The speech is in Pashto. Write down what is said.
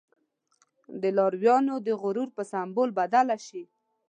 د لارويانو د غرور په سمبول بدله شي.